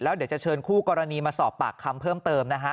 เดี๋ยวจะเชิญคู่กรณีมาสอบปากคำเพิ่มเติมนะฮะ